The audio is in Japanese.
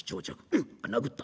うん殴った？